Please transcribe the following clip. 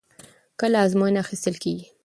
کله ازموینه اخیستل کېږي؟